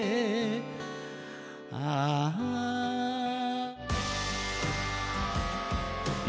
「ああ」